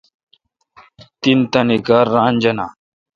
تین تان کار ران جانہ۔